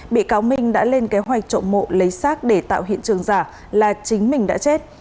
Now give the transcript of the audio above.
bị cáo minh đã lên kế hoạch trộm mộ lấy xác để tạo hiện trường giả là chính mình đã chết